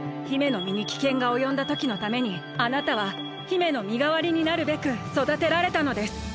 姫のみにきけんがおよんだときのためにあなたは姫のみがわりになるべくそだてられたのです。